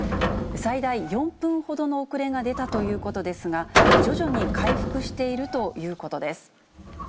最大４分ほどの遅れが出たということですが、徐々に回復しているということです。